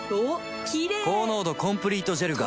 キレイ高濃度コンプリートジェルが